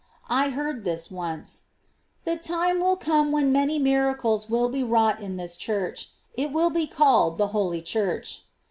8. I heard this once :*' The time will come when many miracles will be wrought in this church ; it will be called the holy church."